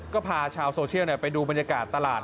ก็พาชาวโซเชียลไปดูบรรยากาศตลาด